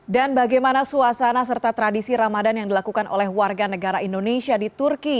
dan bagaimana suasana serta tradisi ramadan yang dilakukan oleh warga negara indonesia di turki